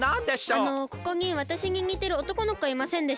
あのここにわたしににてるおとこのこいませんでした？